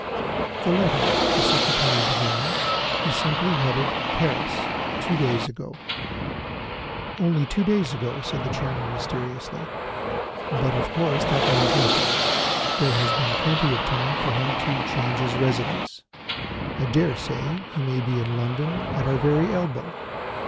"The letter," the Secretary began, "is simply headed 'Paris,' dated two days ago." "Only two days ago," said the Chairman, mysteriously. "But, of course, that means nothing. There has been plenty of time for him to change his residence. I dare say he may be in London at our very elbow.